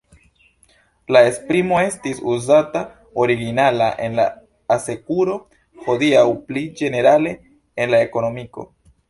La esprimo estis uzata originala en la asekuro, hodiaŭ pli ĝenerale en la ekonomiko.